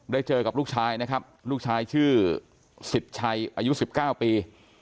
ได้เจอกับลูกชายนะครับลูกชายชื่อสิบชายอายุสิบเก้าปี